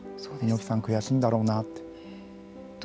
猪木さん、悔しいんだろうなって。